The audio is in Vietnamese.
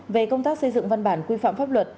về công tác xây dựng văn bản quy phạm pháp luật